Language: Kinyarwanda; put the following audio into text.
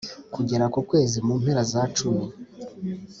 kugera ku kwezi mu mpera za cumi